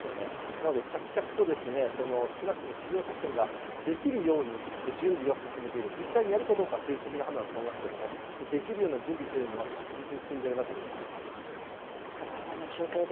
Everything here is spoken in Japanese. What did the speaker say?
なので着々と少なくとも地上射程ができるように準備は進めている、実際にやるかどうかは政治的な判断によるんだと思いますけれどもできるような準備は着実に進んでいるなと感じます。